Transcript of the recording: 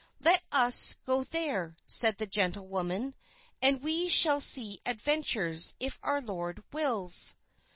"Let us go there," said the gentlewoman, "and we shall see adventures, if our Lord wills."